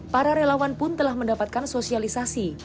para relawan pun telah mendapatkan sosialisasi